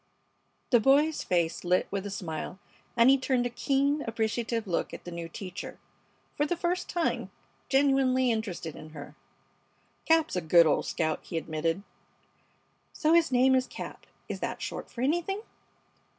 The boy's face lit with a smile, and he turned a keen, appreciative look at the new teacher, for the first time genuinely interested in her. "Cap's a good old scout," he admitted. "So his name is Cap. Is that short for anything?"